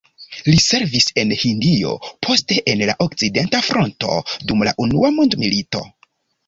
Li servis en Hindio, poste en la okcidenta fronto dum la unua mondmilito.